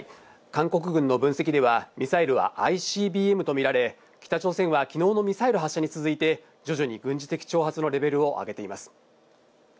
韓国軍の分析ではミサイルはＩＣＢＭとみられ、北朝鮮は昨日のミサイル発射に続いて徐々に軍事的挑発のレベルを上げています。